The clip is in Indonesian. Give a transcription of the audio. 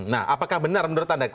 nah apakah benar menurut anda